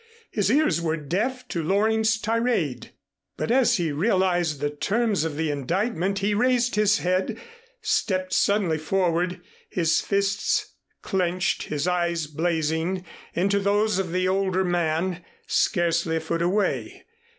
His ears were deaf to Loring's tirade; but as he realized the terms of the indictment, he raised his head, stepped suddenly forward, his fists clenched, his eyes blazing into those of the older man, scarcely a foot away.